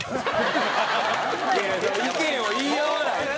いやいやそれ意見を言い合わないと！